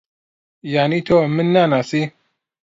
یانی تۆ من ناناسی؟